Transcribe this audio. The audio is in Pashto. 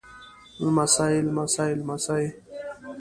لمسی لمسي لمسې